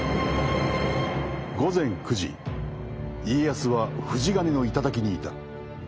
午前９時家康は富士ヶ根の頂にいた。